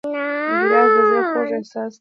ګیلاس د زړه خوږ احساس دی.